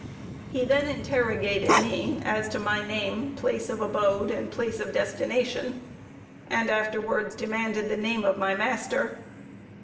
He then interrogated me as to my name, place of abode, and place of destination, and afterwards demanded the name of my master.